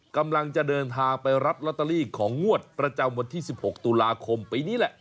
กำลังจะเดินทางไปรับลอตเตอรี่ของงวดประจำวันที่๑๖ตุลาคมปีนี้แหละ